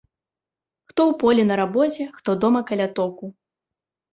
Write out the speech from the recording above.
Хто ў полі на рабоце, хто дома каля току.